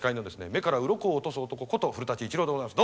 目からうろこを落とす男こと古伊知郎でございます。